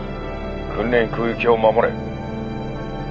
訓練空域を守れ。